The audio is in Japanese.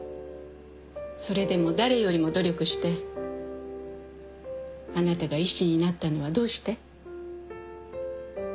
それでも誰よりも努力してあなたが医師になったのはどうして？